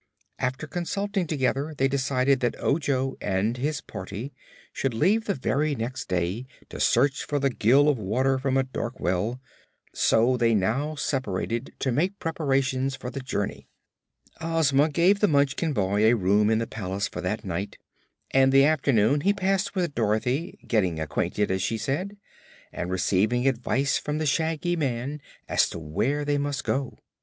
After consulting together they decided that Ojo and his party should leave the very next day to search for the gill of water from a dark well, so they now separated to make preparations for the journey. Ozma gave the Munchkin boy a room in the palace for that night and the afternoon he passed with Dorothy getting acquainted, as she said and receiving advice from the Shaggy Man as to where they must go.